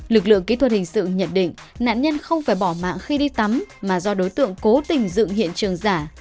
lực lượng kỹ thuật hình sự nhận định nạn nhân không phải bỏ mạng khi đi tắm mà do đối tượng cố tình dựng hiện trường giả